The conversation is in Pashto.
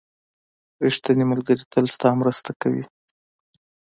• ریښتینی ملګری تل ستا مرسته کوي.